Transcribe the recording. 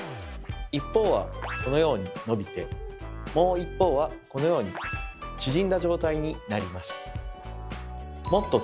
一方はこのように伸びてもう一方はこのように縮んだ状態になります。